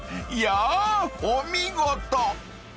［いやーお見事］